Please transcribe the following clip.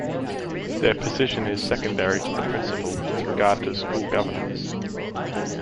Their position is secondary to the principal with regard to school governance.